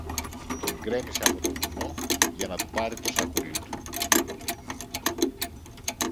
τον γκρέμισε από το βουνό για να του πάρει το σακούλι του.